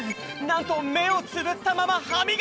なんとめをつぶったままはみがき！